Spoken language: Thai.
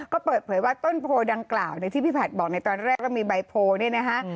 ก็เปิดเผยว่าต้นโพดังกล่าวที่พี่ผัดบอกในตอนแรกว่ามีใบโพลเนี่ยนะคะ